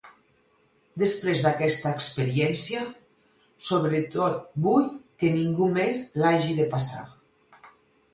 Després d’aquesta experiència, sobretot vull que ningú més l’hagi de passar.